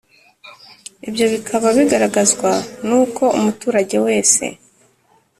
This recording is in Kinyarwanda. Ibyo bikaba bigaragazwa n uko umuturage wese